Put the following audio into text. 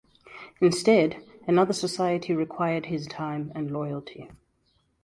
Instead, another society required his time and loyalty.